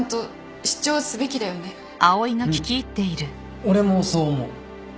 うん俺もそう思う。